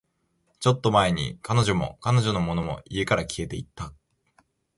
ちょっと前に、彼女も、彼女のものも、家から消えていった